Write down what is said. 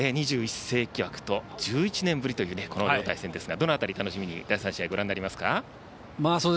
２１世紀枠と１１年ぶりという対戦ですがどの辺りを楽しみに第３試合、ご覧になりますか？